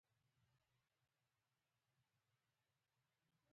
هیڅ سیاست دایمي دوست او دوښمن نه لري.